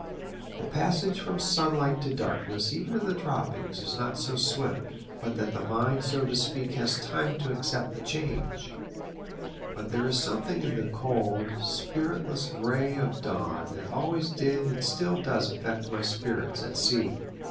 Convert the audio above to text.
The passage from sunlight to darkness even in the tropics is not so swift, but that the mind so to speak has time to accept the change; but there is something in the cold, spiritless gray of dawn that always did and still does affect my spirits at sea.